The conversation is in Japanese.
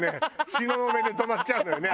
東雲で止まっちゃうのよね